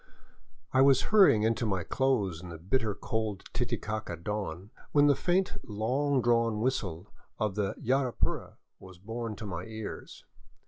I was hurrying into my clothes in the bitter cold Titicaca dawn, when the faint long drawn whistle of the " Yapura " was borne to my ears.